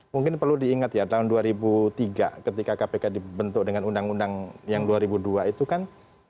mungkin perlu diingat ya tahun dua ribu tiga ketika kpk dibentuk dengan undang undang yang dua ribu dua itu kan